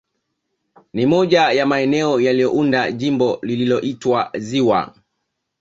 Ni moja ya maeneo yaliyounda Jimbo lililoitwa ziwa